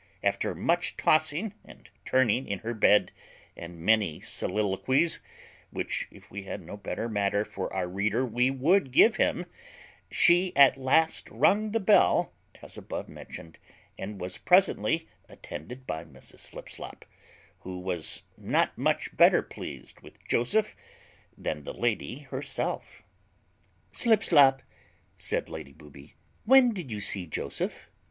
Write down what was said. After much tossing and turning in her bed, and many soliloquies, which if we had no better matter for our reader we would give him, she at last rung the bell as above mentioned, and was presently attended by Mrs Slipslop, who was not much better pleased with Joseph than the lady herself. "Slipslop," said Lady Booby, "when did you see Joseph?"